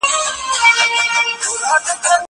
زه بايد مينه وښيم!!